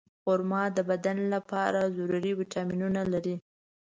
خرما د بدن لپاره ضروري ویټامینونه لري.